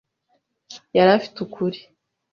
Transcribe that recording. yari afite ukuri.